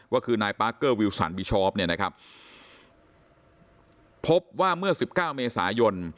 ว่าคือนายปาร์กเกอร์วิวสันวิชอฟพบว่าเมื่อ๑๙เมษายน